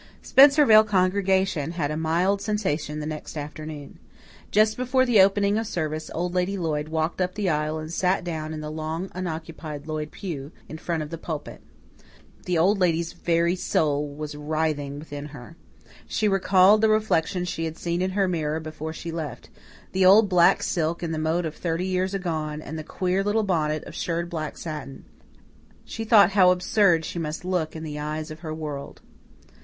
Spencervale congregation had a mild sensation the next afternoon. Just before the opening of service Old Lady Lloyd walked up the aisle and sat down in the long unoccupied Lloyd pew, in front of the pulpit. The Old Lady's very soul was writhing within her. She recalled the reflection she had seen in her mirror before she left the old black silk in the mode of thirty years agone and the queer little bonnet of shirred black satin. She thought how absurd she must look in the eyes of her world.